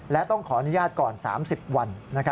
และต้องขออนุญาตก่อน๓๐วัน